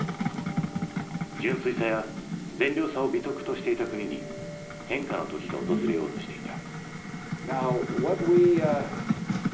純粋さや善良さを美徳としていた国に変化の時が訪れようとしていた。